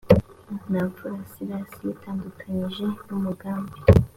ntamfura silas yitandukanyije n umugambi